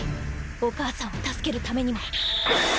お母さんを助けるためにも！うっ！